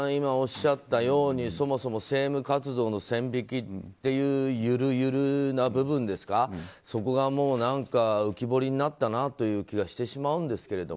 そもそも政務活動の線引きというゆるゆるな部分がそこが、浮き彫りになったなという気がしてしまうんですが。